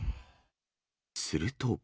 すると。